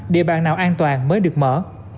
địa bàn nào an toàn mới được mở